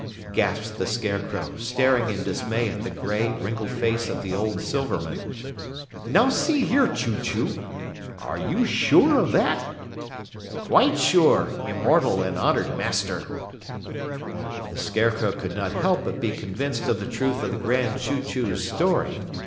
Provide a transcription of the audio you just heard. gasped the Scarecrow, staring in dismay at the gray, wrinkled face of the old Silverman. "Now see here, Chew Chew, are you sure of that?" "Quite sure, Immortal and Honored Master!" The Scarecrow could not help but be convinced of the truth of the Grand Chew Chew's story.